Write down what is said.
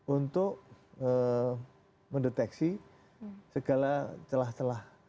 untuk mendeteksi segala celah celah